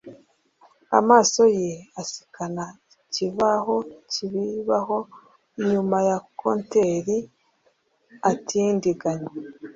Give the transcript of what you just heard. amaso ye asikana ikibaho cyibibaho inyuma ya compteur atindiganya